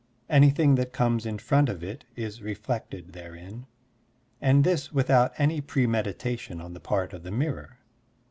Anything that comes in front of it is reflected therein, and this without any pre meditation on the part of the mirror.